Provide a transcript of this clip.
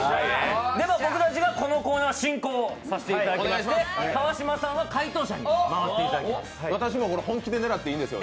で、僕たちはこのコーナーの進行をさせていただきますので、川島さんは解答者に回っていただきます。